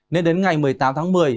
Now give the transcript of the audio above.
nên đến ngày một mươi tám tháng một mươi